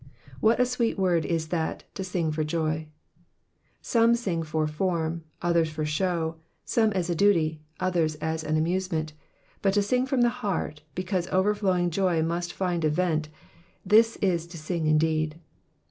What a sweet word is that to sing for joy !''• Some sing for form, others for show, some as a duty, others as an amusement, out to sing from the heart, because overflowing joy must find a vent, this is to sing indeed.